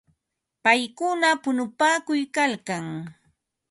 Paykuna punupaakuykalkan.